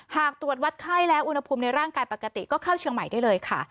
หากตรวจวัดไข้แล้วอุณหภูมิในร่างกายปกติก็เข้าเชียงใหม่ได้เลยค่ะ